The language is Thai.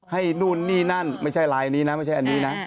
นู่นนี่นั่นไม่ใช่ลายนี้นะไม่ใช่อันนี้นะ